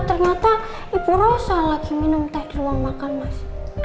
ternyata ibu rosa lagi minum teh di ruang makan mas